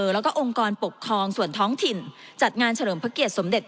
แล้วก็องค์กรปกครองส่วนท้องถิ่นจัดงานเฉลิมพระเกียรสมเด็จ